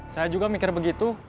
saya juga mikir begitu